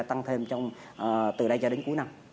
tăng thêm từ đây cho đến cuối năm